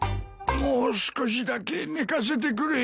もう少しだけ寝かせてくれ。